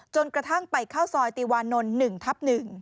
จนกระทั่งไปเข้าซอยติวานนท์๑ทับ๑